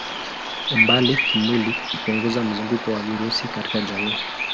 Umbali kimwili hupunguza mzunguko wa virusi katika jamii.